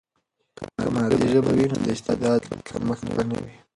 که مادي ژبه وي، نو د استعداد کمښت به نه وي.